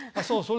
そう。